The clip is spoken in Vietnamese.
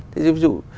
thế ví dụ